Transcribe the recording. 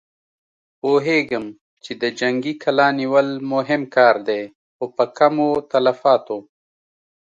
پوهېږم چې د جنګي کلا نيول مهم کار دی، خو په کمو تلفاتو.